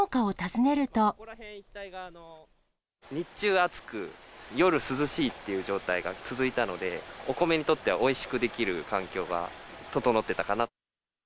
日中暑く、夜涼しいという状態が続いたので、お米にとっては、おいしくできる環境が整っていたかな。